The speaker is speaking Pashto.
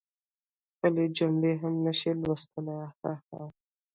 خپلي جملی هم نشي لوستلی هههه